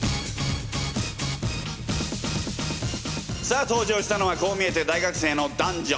さあ登場したのはこう見えて大学生の男女。